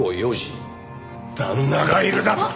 旦那がいるだと！？